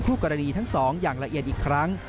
กรณีทั้งสองอย่างละเอียดอีกครั้ง